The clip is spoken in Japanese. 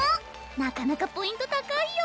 なかなかポイント高いよ